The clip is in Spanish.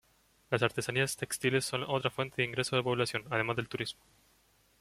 Las artesanías textiles son otra fuente de ingreso de la población, además del turismo.